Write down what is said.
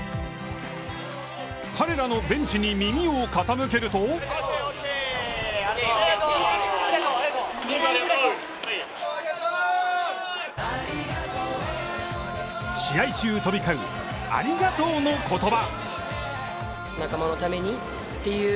彼らのベンチに耳を傾けると試合中、飛び交う「ありがとう」の言葉。